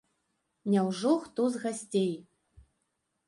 Няўжо хто з гасцей?